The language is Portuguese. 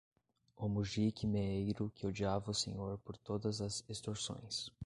o mujique meeiro que odiava o senhor por todas as extorsões